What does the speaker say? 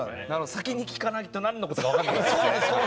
先に聞かないと何のことか分からなかった。